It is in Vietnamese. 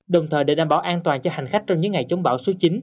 đồng thời để đảm bảo an toàn cho hành khách trong những ngày chống bão số chín